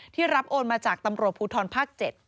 รับโอนมาจากตำรวจภูทรภาค๗